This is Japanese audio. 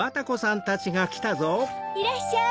・いらっしゃい！